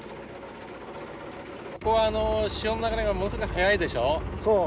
ここは潮の流れがものすごい速いでしょう？